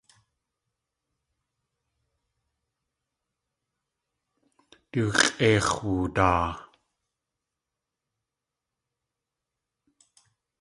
Du x̲ʼéix̲ woodaa.